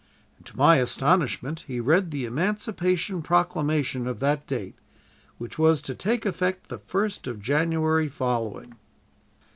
"And, to my astonishment, he read the Emancipation Proclamation of that date, which was to take effect the first of January following."